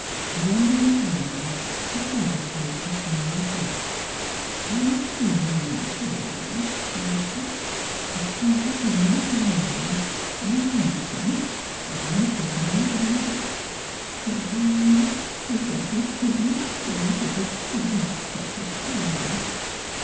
Then, without warning, a sob escaped her tremulous lips. " I wisht I wa'n't s' old," she whispered. " Ef I was only young 'n' V han'some, like 's not you But, land! I guess you'll think I'm crazy fer thinkin' o' such a thing."